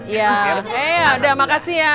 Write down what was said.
ya udah makasih ya